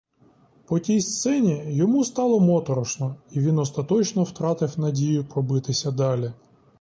По тій сцені йому стало моторошно, і він остаточно втратив надію пробитися далі.